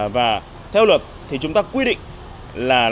và theo luật thì chúng ta quy định là lãi suất